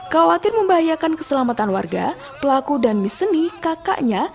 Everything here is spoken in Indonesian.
khawatir membahayakan keselamatan warga pelaku dan miss seni kakaknya